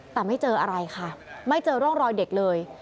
แต่ไม่เจออะไรค่ะไม่เจอร่องรอยเด็กเลย